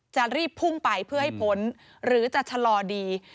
จะรีบพุ่งไปเพื่อให้พ้นหรือจะชะลอดี